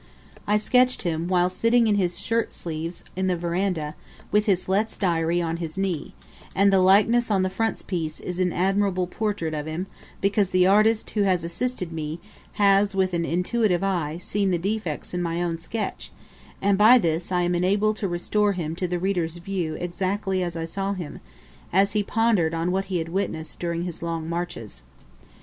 I sketched him while sitting in his shirt sleeves in the veranda, with his Letts's Diary on his knee; and the likeness on the frontispiece is an admirable portrait of him, because the artist who has assisted me, has with an intuitive eye, seen the defects in my own sketch; and by this I am enabled to restore him to the reader's view exactly as I saw him as he pondered on what he had witnessed during his long marches.